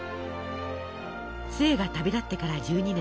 壽衛が旅立ってから１２年。